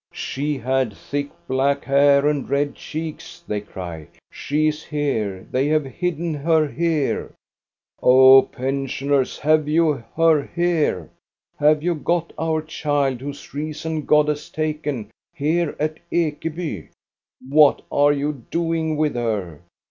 " She had thick black hair and red cheeks !" they cry. " She is here ! They have hidden her here !"" Oh, pensioners, have you her here ? Have you got our child, whose reason God has taken, here at Ekeby t What are you doing with her